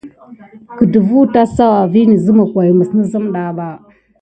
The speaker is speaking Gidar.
Gədəfwa tät kisawa viŋ ne simick ndolé dide mokone ba.